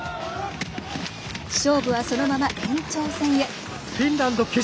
勝負はそのまま延長戦へ。